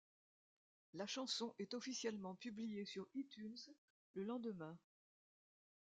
La chanson est officiellement publiée sur iTunes le lendemain.